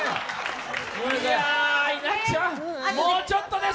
いや、稲ちゃん、もうちょっとです。